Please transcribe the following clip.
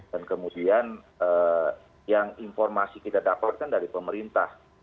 dan kemudian yang informasi kita dapat kan dari pemerintah